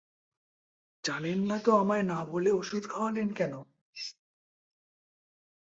জানেন না তো আমায় না বলে ওষুধ খাওয়ালেন কেন?